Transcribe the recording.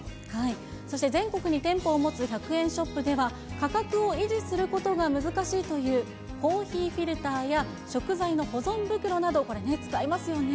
そして、全国に店舗を持つ１００円ショップでは、価格を維持することが難しいという、コーヒーフィルターや食材の保存袋など、これね、使いますよね。